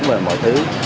về mọi thứ